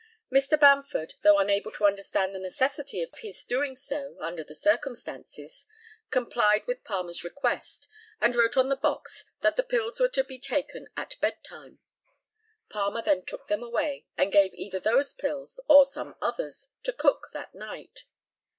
Dr. Bamford, though unable to understand the necessity of his doing so, under the circumstances, complied with Palmer's request, and wrote on the box that the pills were to be taken at "bed time." Palmer then took them away, and gave either those pills or some others to Cook that night.